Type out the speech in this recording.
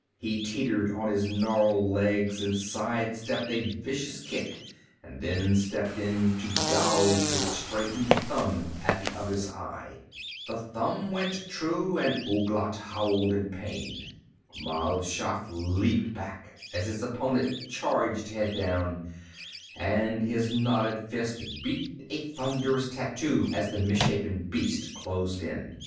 He teetered on his gnarled legs and side stepped a vicious kick and then stepped in to gouge with straightened thumb at the other's eye. The thumb went true and Ouglat howled in pain. Mal Shaff leaped back as his opponent charged head down, and his knotted fist beat a thunderous tattoo as the misshapen beast closed in.